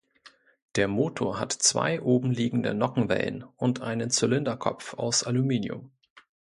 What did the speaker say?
Der Motor hat zwei obenliegende Nockenwellen und einen Zylinderkopf aus Aluminium.